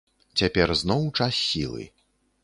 Цяпер зноў час сілы.